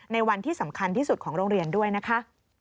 ในวันที่สำคัญที่สุดของโรงเรียนด้วยนะคะ